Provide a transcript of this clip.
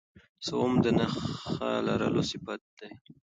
سوم د نخښهلرلو صفت دئ.